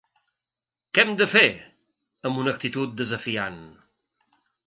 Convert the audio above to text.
Què hem de fer?, amb una actitud desafiant.